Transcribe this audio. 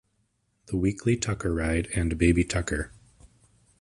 The weekly Tucker Ride and Baby Tucker.